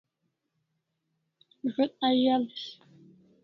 Zo't azalis